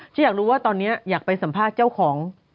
อยากรู้ว่าตอนนี้อยากไปสัมภาษณ์เจ้าของ